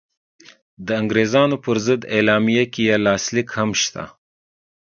د انګرېزانو پر ضد اعلامیه کې یې لاسلیک هم شته.